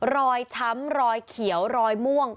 รอยช้ำรอยเขียวรอยม่วง